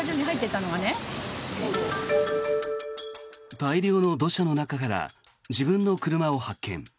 大量の土砂の中から自分の車を発見。